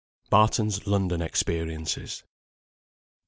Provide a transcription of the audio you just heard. BARTON'S LONDON EXPERIENCES.